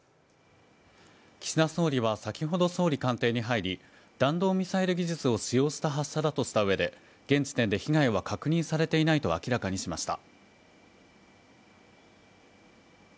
岸田総理は先ほど総理官邸に入り弾道ミサイル技術を使用した発射だとしたうえで、現時点で被害は確認されていないと明らかにしました。